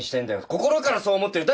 心からそう思ってる！